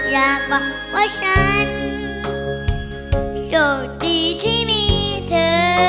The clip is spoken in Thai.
อยากบอกว่าฉันโชคดีที่มีเธอ